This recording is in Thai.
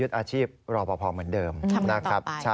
เราเป็นกลุ่มคนเดียวกันครับ